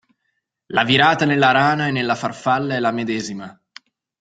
La virata nella rana e nella farfalla è la medesima.